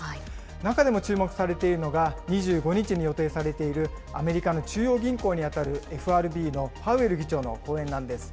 中でも注目されているのが、２５日に予定されているアメリカの中央銀行に当たるＦＲＢのパウエル議長の講演なんです。